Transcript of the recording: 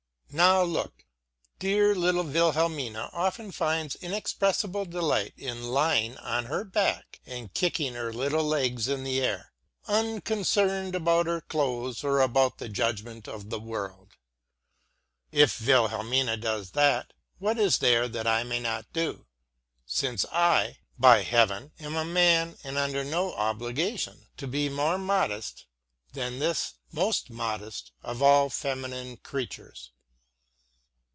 Now look! Dear little Wilhelmina often finds inexpressible delight in lying on her back and kicking her little legs in the air, unconcerned about her clothes or about the judgment of the world. If Wilhelmina does that, what is there that I may not do, since I, by Heaven, am a man and under no obligation to be more modest than this most modest of all feminine creatures?